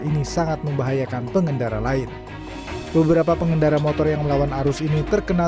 ini sangat membahayakan pengendara lain beberapa pengendara motor yang melawan arus ini terkena